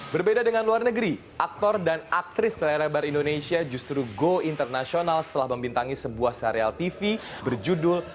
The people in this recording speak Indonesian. berbeda dengan luar negeri aktor dan aktris layar lebar indonesia justru go internasional setelah membintangi sebuah serial tv berjudul